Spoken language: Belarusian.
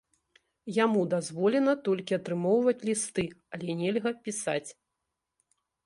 Яму дазволена толькі атрымоўваць лісты, але нельга пісаць.